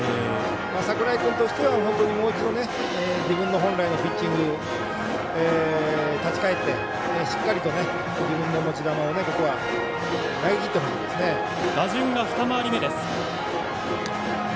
櫻井君としてはもう一度自分の本来のピッチングに立ち返ってしっかりと自分の持ち球を打順が２回り目です。